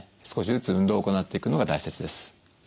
少しずつ運動を行っていくのが大切です。